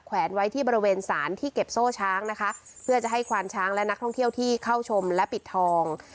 แวนไว้ที่บริเวณสารที่เก็บโซ่ช้างนะคะเพื่อจะให้ควานช้างและนักท่องเที่ยวที่เข้าชมและปิดทอง